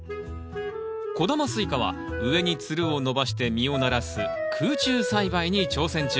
小玉スイカは上につるを伸ばして実をならす空中栽培に挑戦中。